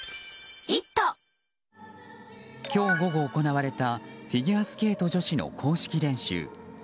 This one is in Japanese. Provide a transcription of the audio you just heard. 今日午後行われたフィギュアスケート女子の公式練習。